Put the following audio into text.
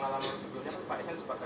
masyarakat tetap curiga